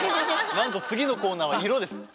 なんと次のコーナーは色です。